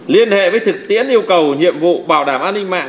liên hệ với thực tiễn yêu cầu nhiệm vụ bảo đảm an ninh mạng